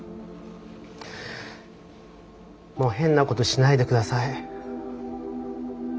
もう変なことしないで下さい。